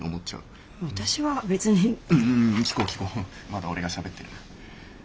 まだ俺がしゃべってる。